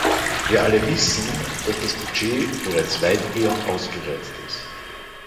Wir alle wissen, dass das Budget bereits weitgehend ausgereizt ist.